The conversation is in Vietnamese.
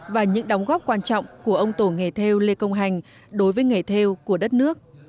và những đóng góp quan trọng của ông tổ nghề theo lê công hành đối với nghề theo của đất nước